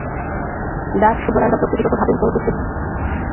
Dutch ফুটবলাররা প্রকৃতিগতভাবেই কোনো কিছু বিনা প্রশ্নে মেনে নেওয়ার পাত্র নয়।